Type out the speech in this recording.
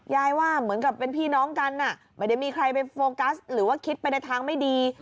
ว่าเหมือนกับเป็นพี่น้องกันไม่ได้มีใครไปโฟกัสหรือว่าคิดไปในทางไม่ดี